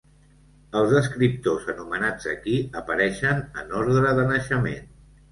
Els escriptors anomenats aquí apareixen en ordre de naixement.